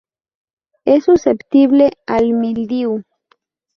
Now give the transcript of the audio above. Es susceptible al mildiu.